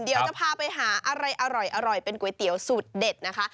เดี๋ยวจะพาไปหาอะไรอร่อยเป็นก๋วยเตี๋ยวสูตรเด็ดนะคะ